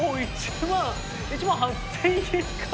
１万８，０００円か。